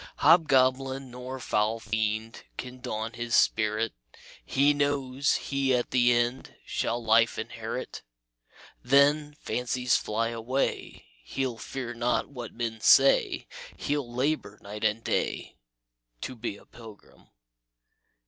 "Hobgoblin nor foul fiend Can daunt his spirit; He knows he at the end Shall life inherit. Then, fancies fly away, He'll fear not what men say; He'll labor night and day To be a pilgrim."